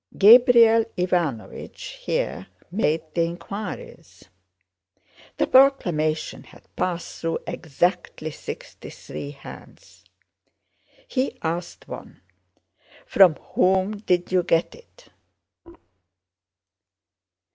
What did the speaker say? Gabriel Ivánovich here made the inquiries. The proclamation had passed through exactly sixty three hands. He asked one, 'From whom did you get it?